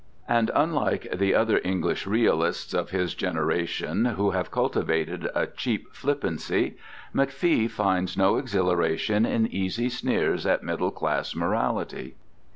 And unlike the other English realists of his generation who have cultivated a cheap flippancy, McFee finds no exhilaration in easy sneers at middle class morality.